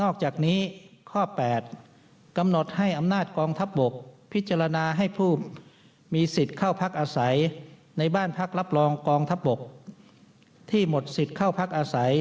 จากนี้ข้อ๘กำหนดให้อำนาจกองทัพบกพิจารณาให้ผู้มีสิทธิ์เข้าพักอาศัยในบ้านพักรับรองกองทัพบกที่หมดสิทธิ์เข้าพักอาศัย